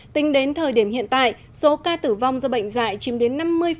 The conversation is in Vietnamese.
tính đến thời điểm hiện tại số ca tử vong do bệnh dạy chìm đến năm mươi